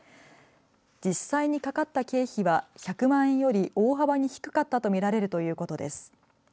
実際にかかった経費は１００万円より大幅に低かったと見られるということです。